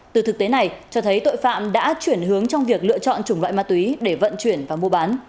từ thực tế này cho thấy tội phạm đã chuyển hướng trong việc lựa chọn chủng loại ma túy để vận chuyển và mua bán